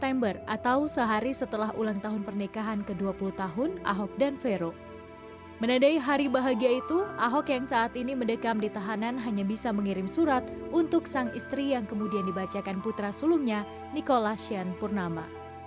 mendekam di tahanan hanya bisa mengirim surat untuk sang istri yang kemudian dibacakan putra sulungnya nikola sian purnama